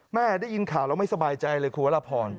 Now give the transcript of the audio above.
ได้ยินข่าวแล้วไม่สบายใจเลยคุณวรพร